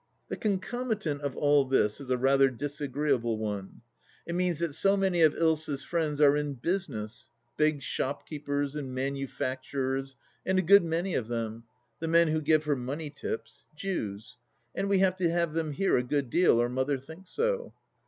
The concomitant of all this is a rather disagreeable one. It means that so many of Ilsa's friends are in business, big shopkeepers and manufacturers, and a good many of them — the men who give her the money tips— Jews. And we have to have them here a good deal, or Mother thinks so.